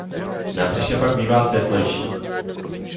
Na břiše pak bývá světlejší.